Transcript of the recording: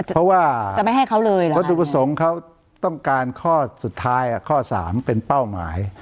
เพราะว่าตุกสงฆ์เขาต้องการข้อสุดท้ายข้อ๓เป็นเป้าหมาย